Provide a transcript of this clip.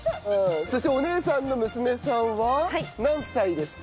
そしてお姉さんの娘さんは何歳ですか？